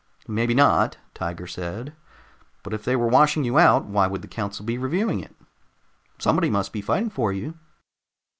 "Maybe not," Tiger said. "But if they were washing you out, why would the council be reviewing it? Somebody must be fighting for you."